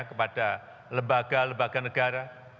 kepada lembaga lembaga negara